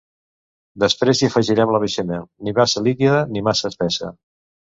Després hi afegirem la beixamel, ni massa líquida ni massa espessa.